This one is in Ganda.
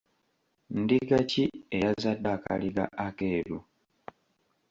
Ndiga ki eyazadde akaliga akeeru?